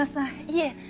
いえ。